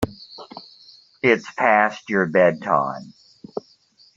It's past your bedtime.